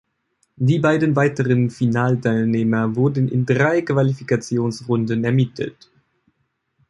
Die beiden weiteren Finalteilnehmer wurden in drei Qualifikationsrunden ermittelt.